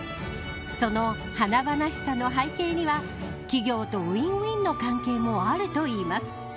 その華々しさの背景には企業とウィンウィンの関係もあるといいます。